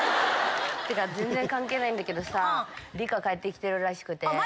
てか全然関係ないんだけどさぁリカ帰って来てるらしくて。